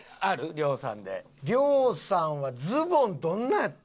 亮さんはズボンどんなんやったっけな？